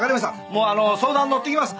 もう相談に乗ってきます。